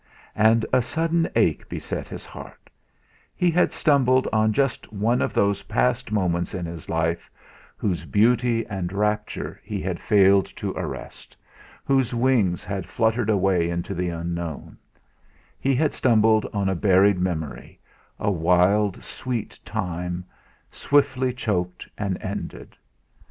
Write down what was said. And a sudden ache beset his heart; he had stumbled on just one of those past moments in his life, whose beauty and rapture he had failed to arrest, whose wings had fluttered away into the unknown; he had stumbled on a buried memory, a wild sweet time, swiftly choked and ended.